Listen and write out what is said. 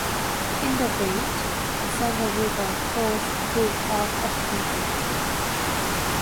In the west, the Sangha River flows through part of the country.